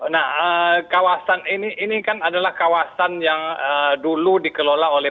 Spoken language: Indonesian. nah kawasan ini ini kan adalah kawasan yang dulu dikelola oleh